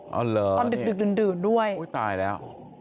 อ๋อเหรอตอนดึกดึกดื่นดื่นด้วยอุ้ยตายแล้ว